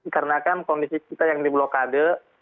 karena kan kondisi kita yang di blokade